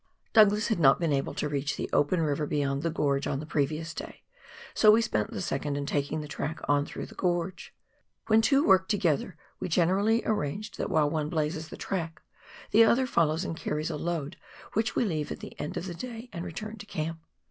Douglas had not been able to reach the open river beyond the gorge on the previous day, so we spent the 2nd in taking the track on through the gorge. When two work together we generally arrange that while one blazes the track, the other follows and carries a load which we leave at the end of the day and return to camp.